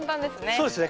そうですね。